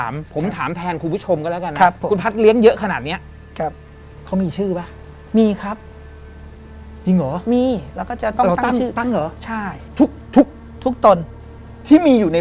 ไม่มีจะเป็นลักษณะ